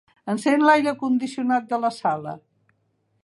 Encén l'aire condicionat de la sala.